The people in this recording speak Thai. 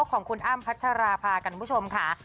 ของคุณอ้ำพัชราภากันคุณผู้ชมค่ะ